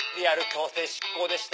強制執行でした！